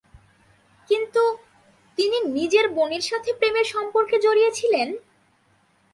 কিন্তু, তিনি নিজের বোনের সাথে প্রেমের সম্পর্কে জড়িয়েছিলেন!